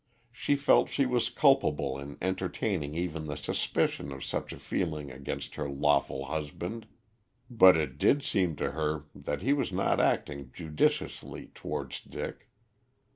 She felt she was culpable in entertaining even the suspicion of such a feeling against her lawful husband, but it did seem to her that he was not acting judiciously towards Dick.